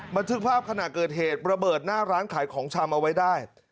บันทึกภาพขณะเกิดเหตุระเบิดหน้าร้านขายของชำเอาไว้ได้